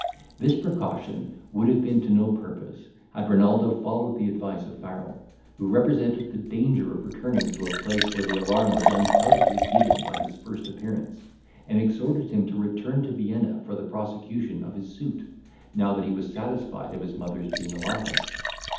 This precaution would have been to no purpose, had Renaldo followed the advice of Farrel, who represented the danger of returning to a place where the alarm was undoubtedly given by his first appearance; and exhorted him to return to Vienna for the prosecution of his suit, now that he was satisfied of his mother's being alive.